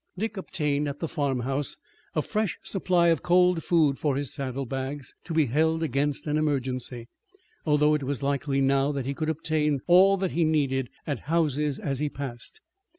Dick obtained at the farmhouse a fresh supply of cold food for his saddle bags, to be held against an emergency, although it was likely now that he could obtain all he needed at houses as he passed.